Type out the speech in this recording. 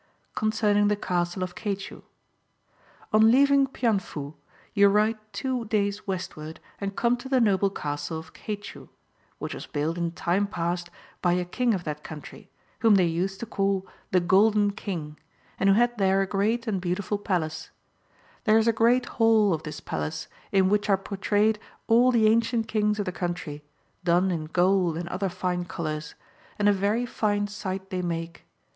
Concerning the Casti.e ok Caicht. On leaving Pianfu you ride two days westward, and come to the noble castle of Caicul', which was built in time j)ast by a king of that country, whom they used to call the GoLDKN King, and who had there a great and beautiful Chap. XXXVIII. THE CASTLE OF CAICHU. 9 palace. There is a great hall of this palace, in which are pourtrayed all the ancient kings of the country, done in gold and other fine colours, and a very fine sight they make.